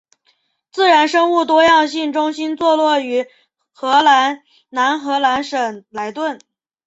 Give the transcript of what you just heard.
自然生物多样性中心座落于荷兰南荷兰省莱顿。